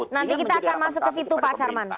nanti kita akan masuk ke situ pak sarman